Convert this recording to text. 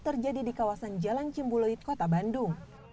terjadi di kawasan jalan cimbuluit kota bandung